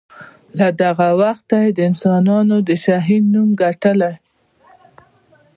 له دغه وخته یې د انسانانو د شهین نوم ګټلی وي.